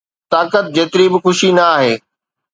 طاقت 'جيتري به خوشي نه آهي